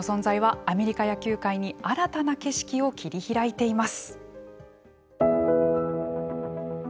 大谷選手の存在はアメリカ野球界に新たな景色を切り開いています。